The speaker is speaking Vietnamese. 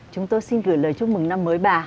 chúng tôi xin gửi lời chúc mừng năm mới bà